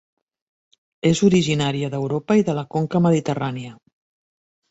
És originària d'Europa i de la conca mediterrània.